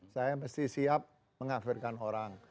saya mesti siap mengafirkan orang